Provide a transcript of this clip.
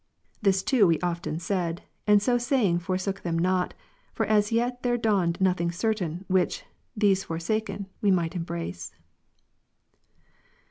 This too we often said ; and so saying forsook them not, for as yet there dawned nothing certain, which, these forsaken, we might embrace.